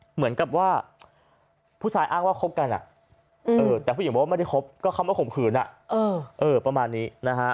เหมือนกับว่าผู้ชายอ้างว่าคบกันแต่ผู้หญิงบอกว่าไม่ได้คบก็เข้ามาข่มขืนประมาณนี้นะฮะ